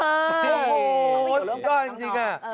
โอ้โหก็จริงค่ะ